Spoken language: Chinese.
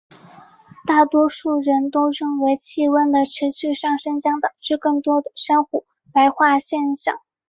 大多数人都认为气温的持续上升将导致更多的珊瑚白化现象。